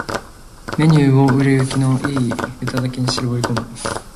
ⅱ メニューを売れ行きの良いネタだけに絞り込む